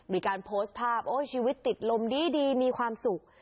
มีการโพสต์ภาพโอ้ยชีวิตติดลมดีมีความสุข